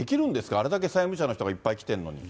あれだけ債務者の人がいっぱい来てるのに。